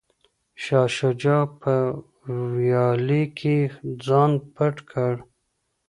شاه شجاع په ویالې کې ځان پټ کړ.